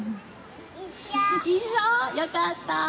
よかった！